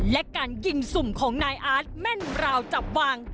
และการยิงสุ่มของนายอาร์ตแม่นราวจับวาง